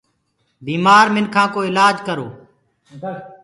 بيمآر منکو ڪو الآج ڪرو